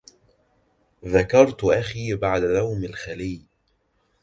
ذكرت أخي بعد نوم الخلي